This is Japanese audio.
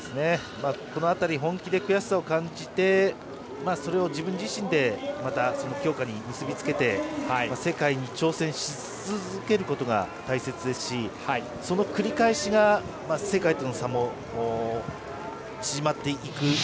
この辺り本気で悔しさを感じてそれを自分自身でまた強化に結び付けて世界に挑戦し続けることが大切ですしその繰り返しが世界との差が縮まっていく。